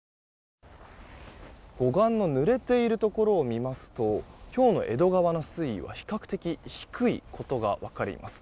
護岸のぬれているところを見ますと今日の江戸川の水位は比較的、低いことが分かります。